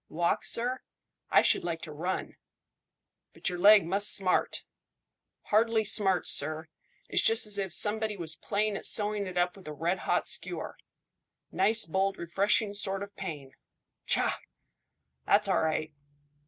"Walk, sir? I should like to run." "But your leg must smart." "Hardly smarts, sir; it's just as if somebody was playing at sewing it up with a red hot skewer. Nice bold refreshing sort of pain. Tchah! That's all right."